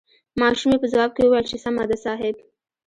ماشومې په ځواب کې وويل چې سمه ده صاحب.